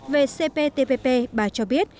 về cptpp bà cho biết